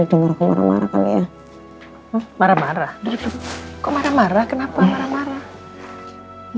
marah marah marah marah marah marah marah marah